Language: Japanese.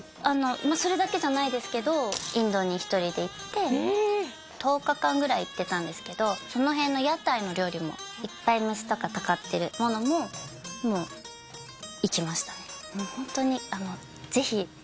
まあそれだけじゃないですけどインドに一人で行って１０日間ぐらい行ってたんですけどその辺の屋台の料理もいっぱい虫とかたかってるものももういきましたね